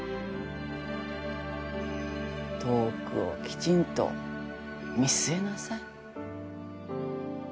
遠くをきちんと見据えなさい。